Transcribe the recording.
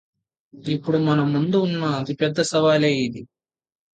ఇప్పుడు మన ముందున్న అతి పెద్ద సవాలు ఇదే